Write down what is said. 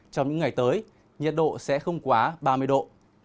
trong những ngày tới nhiệt độ sẽ không quá ba mươi độ